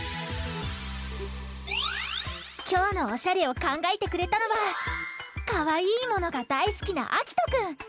きょうのおしゃれをかんがえてくれたのはかわいいものがだいすきなあきとくん。